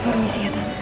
permisi ya tante